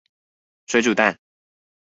水煮蛋